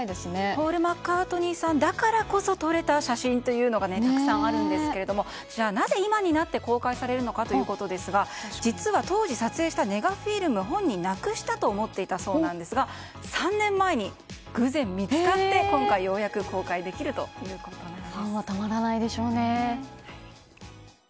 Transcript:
ポール・マッカートニーさんだからこそ撮れた写真というのがたくさんあるんですけれどもなぜ今になって公開されるのかということですけども実は、当時撮影したネガフィルム本人なくしたと思っていたそうなんですが３年前に偶然見つかって今回ようやく公開できるということなんです。